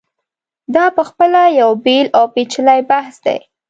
دا په خپله یو بېل او پېچلی بحث دی.